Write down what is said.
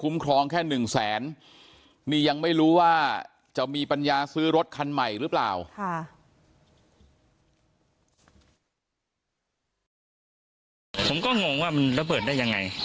มียังไม่รู้ว่าจะมีปัญญาซื้อรถคันใหม่หรือเปล่า